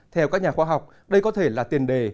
theo các nhà khoa học đây có thể là tiền đề